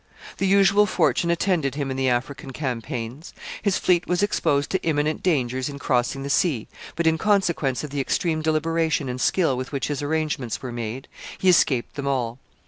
The usual fortune attended him in the African campaigns His fleet was exposed to imminent dangers in crossing the sea, but, in consequence of the extreme deliberation and skill with which his arrangements were made, he escaped them all.